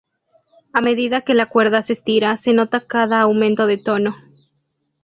A medida que la cuerda se estira, se nota cada aumento de tono.